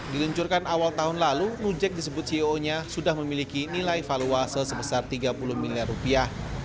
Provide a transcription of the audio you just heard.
diluncurkan awal tahun lalu nujek disebut ceo nya sudah memiliki nilai valuase sebesar tiga puluh miliar rupiah